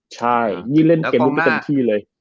ใช่นี่เล่นเกมลุกได้เต็มที่เลย